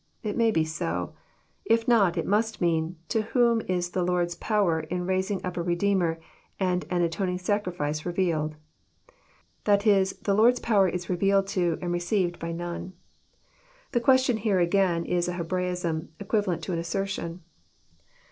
It may be so. If not, it must mean, To whom is the Lord's power in raising up a Redeemer and an atoning sacrifice re vealed? " That is, the Lord's power is revealed to and received by none. The question here again is a Hebraism, equivalent to an assertion.